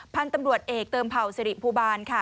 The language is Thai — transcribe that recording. พันธุ์ตำรวจเอกเติมเผ่าสิริภูบาลค่ะ